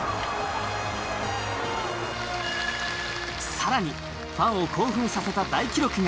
更にファンを興奮させた大記録が。